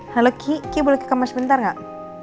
halo ki ki boleh ke kamar sebentar gak